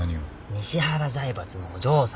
西原財閥のお嬢さま。